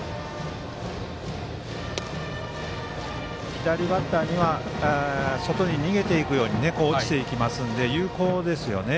左バッターには外に逃げていくように落ちていきますので有効ですよね。